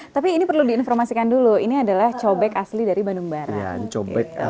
tapi ini perlu diinformasikan dulu ini adalah cobek asli dari bandung barat